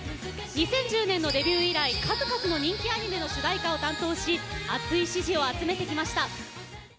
２０１０年のデビュー以来数々の人気アニメの主題歌を担当し熱い支持を集めてきました。